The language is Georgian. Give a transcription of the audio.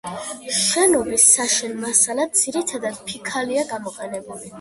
შენობის საშენ მასალად ძირითადად ფიქალია გამოყენებული.